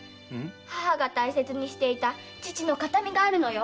母が大切にしていた父の形見があるのよ。